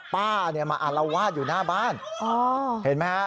ป้าเนี่ยมาอารวาสอยู่หน้าบ้านเห็นไหมฮะ